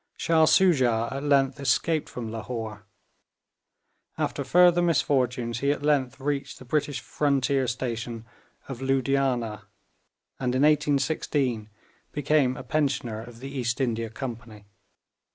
Shah Soojah at length escaped from Lahore. After further misfortunes he at length reached the British frontier station of Loodianah, and in 1816 became a pensioner of the East India Company.